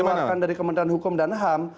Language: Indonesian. dikeluarkan dari kementerian hukum dan ham